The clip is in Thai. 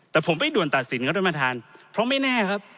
แต่ผมไม่ด่วนตัดสินกับรมธานเพราะไม่แน่ครับ